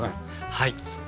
はい。